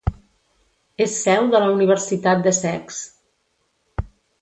És seu de la Universitat d'Essex.